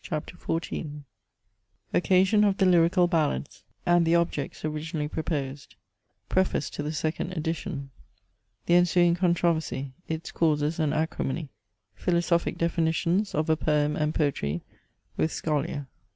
CHAPTER XIV Occasion of the Lyrical Ballads, and the objects originally proposed Preface to the second edition The ensuing controversy, its causes and acrimony Philosophic definitions of a Poem and Poetry with scholia.